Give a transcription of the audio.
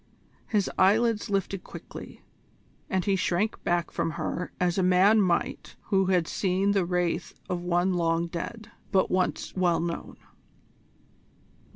His eyelids lifted quickly, and he shrank back from her as a man might do who had seen the wraith of one long dead, but once well known.